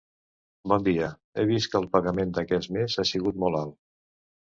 Bon dia, he vist que el pagament d'aquest més ha sigut molt alt.